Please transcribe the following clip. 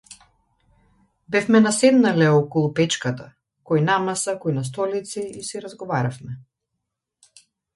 Бевме наседнале околу печката кој на маса кој на столици и си разговаравме.